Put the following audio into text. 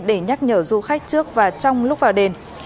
để nhắc nhở du khách trước và trong lúc vào đền